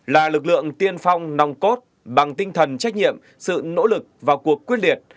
là lực lượng tiên phong nong cốt bằng tinh thần trách nhiệm sự nỗ lực và cuộc quyết liệt